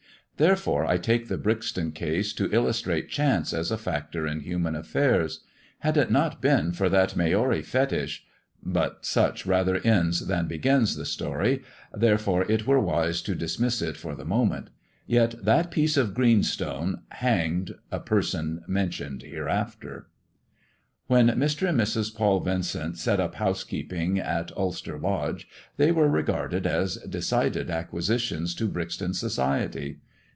There take the Brixton case to illustrate Chance as a factor lan affairs. Had it not been for that Maori fetish — ch rather ends than begins the story, therefore it ise to dismiss it for the moment. Yet that piece of stone hanged— a peison mentioned hereafter. 252 THE GREEN STONE GOD AND THE STOCKBROKER When Mr. and Mrs. Paul Vincent set up honsekeeping at Ulster Lodge they were regarded as decided acquisitions to Brixton society.